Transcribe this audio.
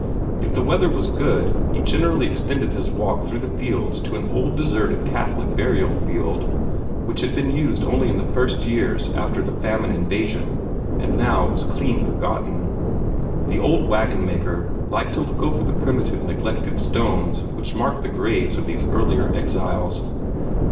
If the weather was good, he generally extended his walk through the fields to an old deserted Catholic burial field, which had been used only in the first years after the famine invasion, and now was clean forgotten. The old wagon maker liked to look over the primitive, neglected stones which marked the graves of these earlier exiles.